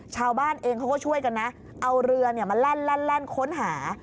ชาวบ้านเองเขาก็ช่วยกันนะเอาเรือมาแล่นค้นหา